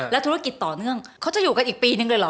ธุรกิจต่อเนื่องเขาจะอยู่กันอีกปีนึงเลยเหรอ